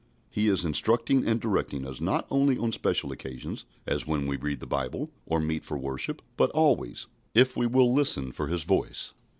He is instructing and directing us not only on special occasions, as when we read the Bible or meet for worship, but always, if we will listen for His voice.